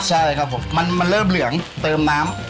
ใช่ครับผมมันเริ่มเหลืองเติมน้ำ